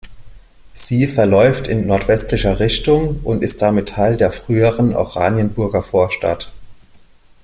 Sie verläuft in nordwestlicher Richtung und ist damit Teil der früheren Oranienburger Vorstadt.